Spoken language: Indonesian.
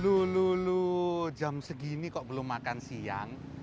lululul jam segini kok belum makan siang